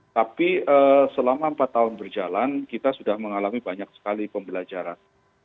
tapi selama empat tahun berjalan kita sudah mengalami banyak sekali pembelajaran